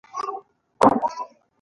جنوبي امریکا په مثلث په بڼه موقعیت لري.